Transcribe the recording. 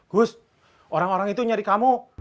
gus orang orang itu nyari kamu